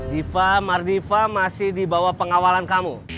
diva mardiva masih dibawa pengawalan kamu